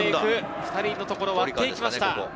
２人のところを割っていきました。